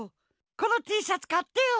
このティーシャツかってよ。